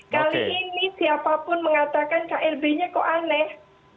kali ini siapapun mengatakan klb nya kok aneh